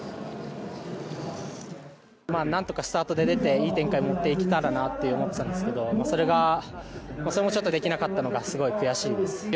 何とかスタート出ていい展開もっていけたらなと思ってたんですけどそれがそれもちょっとできなかったのがすごい悔しいです。